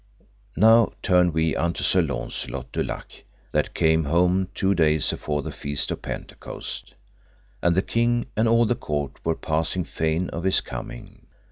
Now turn we unto Sir Launcelot du Lake, that came home two days afore the Feast of Pentecost; and the king and all the court were passing fain of his coming.